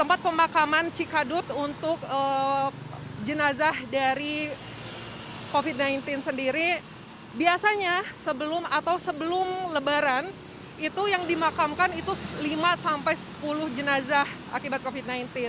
tempat pemakaman cikadut untuk jenazah dari covid sembilan belas sendiri biasanya sebelum atau sebelum lebaran itu yang dimakamkan itu lima sampai sepuluh jenazah akibat covid sembilan belas